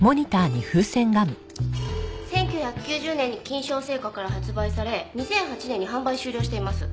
１９９０年にキンショー製菓から発売され２００８年に販売終了しています。